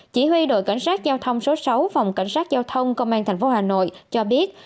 chỉ huy đội cảnh sát giao thông số sáu phòng cảnh sát giao thông công an tp hà nội cho biết